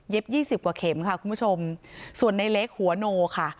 ยี่สิบกว่าเข็มค่ะคุณผู้ชมส่วนในเล็กหัวโนค่ะ